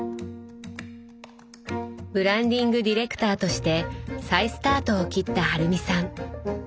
ブランディングディレクターとして再スタートを切った春美さん。